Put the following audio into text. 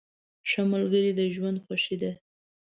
ښه ملګري د ژوند خوښي ده.